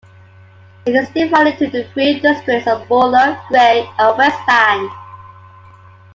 It is divided into the three districts of Buller, Grey and Westland.